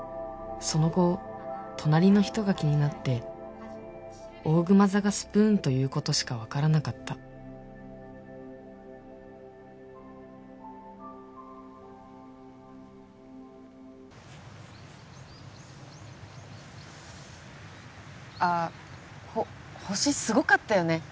その後隣の人が気になっておおぐま座がスプーンということしか分からなかったあっほ星すごかったよね